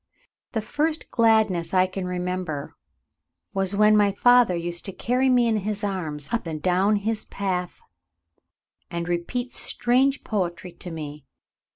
The first gladness I can remember was when my father used to carry me in his arms up and down his path and repeat strange poetry to me.